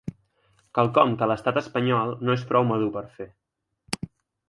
Quelcom que l’estat espanyol ‘no és prou madur per fer’.